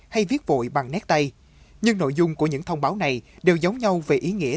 hay viết vội bằng nét tay nhưng nội dung của những thông báo này đều giống nhau về ý nghĩa